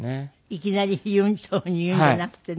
いきなりそういうふうに言うんじゃなくてね。